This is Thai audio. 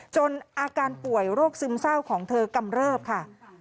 อาการป่วยโรคซึมเศร้าของเธอกำเริบค่ะ